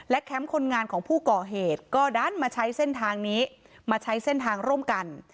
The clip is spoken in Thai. แคมป์คนงานของผู้ก่อเหตุก็ดันมาใช้เส้นทางนี้มาใช้เส้นทางร่วมกัน